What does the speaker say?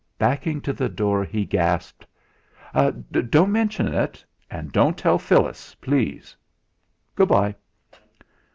Backing to the door, he gasped: "Don't mention it; and and don't tell Phyllis, please. Good bye!"